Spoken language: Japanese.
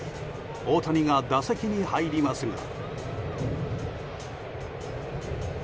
大谷が打席に入りますが。